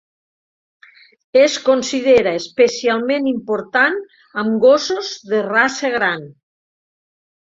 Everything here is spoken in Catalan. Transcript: Es considera especialment important amb gossos de raça gran.